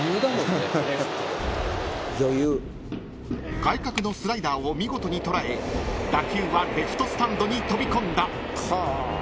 ［外角のスライダーを見事に捉え打球はレフトスタンドに飛び込んだ］